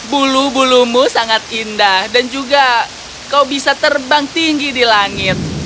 bulu bulumu sangat indah dan juga kau bisa terbang tinggi di langit